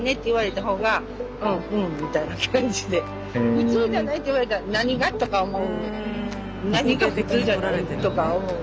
「普通じゃない」って言われたら「何が？」とか思う。とか思う。